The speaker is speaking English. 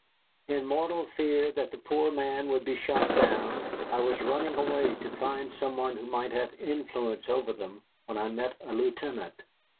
In mortal fear that the poor man would be shot down, I was running away to find some one who might have influence over them when I met a lieutenant.